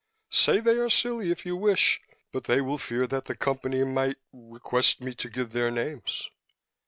Say they are silly if you wish. But they will fear that the Company might request me to give their names."